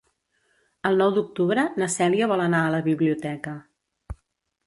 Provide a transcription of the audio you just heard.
El nou d'octubre na Cèlia vol anar a la biblioteca.